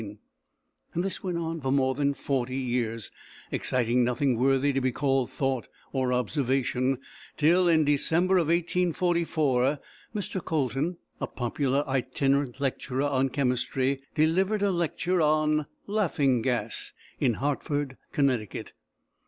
And this went on for more than forty years, exciting nothing worthy to be called thought or observation, till, in December, 1844, Mr. Colton, a popular itinerant lecturer on chemistry, delivered a lecture on "laughing gas" in Hartford, Connecticut.